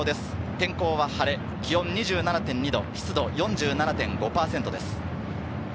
天候は晴れ、気温２７．２度、湿度４８％です。